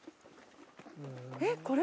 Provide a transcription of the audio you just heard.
えっこれ？